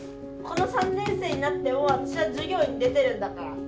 この３年生になっても私は授業に出てるんだから。